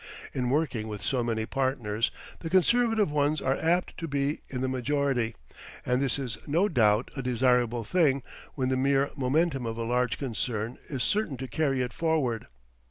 In working with so many partners, the conservative ones are apt to be in the majority, and this is no doubt a desirable thing when the mere momentum of a large concern is certain to carry it forward.